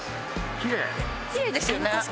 きれいですよね。